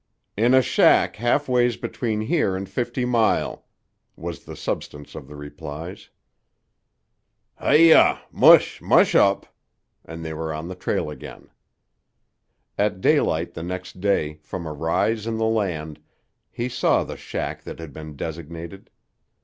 "In a shack half ways between here and Fifty Mile," was the substance of the replies. "Hi yah! Mush, mush up!" and they were on the trail again. At daylight the next day, from a rise in the land, he saw the shack that had been designated.